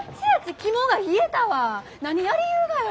何やりゆうがよ！